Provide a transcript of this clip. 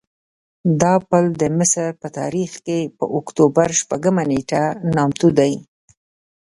دا پل د مصر په تاریخ کې په اکتوبر شپږمه نېټه نامتو دی.